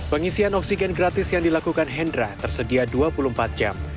pengisian oksigen gratis yang dilakukan hendra tersedia dua puluh empat jam